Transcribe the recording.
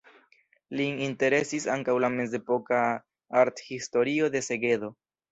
Lin interesis ankaŭ la mezepoka arthistorio de Segedo.